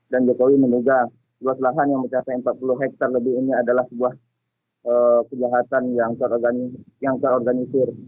dan jokowi menegak luas lahan yang mencapai empat puluh hektare lebih ini adalah sebuah kejahatan yang terorganisir